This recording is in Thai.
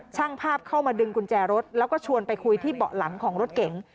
ช่างภาพเข้ามาดึงกุญแจรถแล้วก็ชวนไปคุยที่เบาะหลังของรถเก๋ง